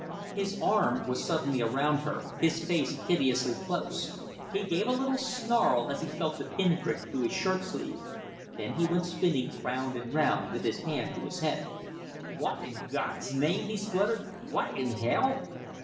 His arm was suddenly around her, his face hideously close. He gave a little snarl as he felt the pinprick through his shirt sleeve. Then he went spinning round and round with his hand to his head. "What in God's name!" he spluttered. "What in hell